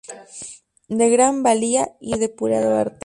De gran valía y depurado arte.